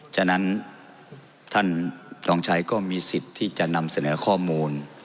ฉะนั้นท่านทองชัยก็มีสิทธิ์ที่จะนำเสนอข้อมูล